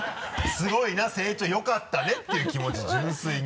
すごいな成長よかったねっていう気持ち純粋に。